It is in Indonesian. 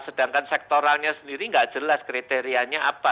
sedangkan sektoralnya sendiri tidak jelas kriteriannya apa